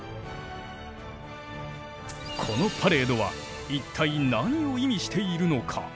このパレードは一体何を意味しているのか？